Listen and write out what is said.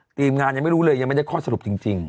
ทีมงานยังไม่รู้เลยยังไม่ได้ข้อสรุปจริง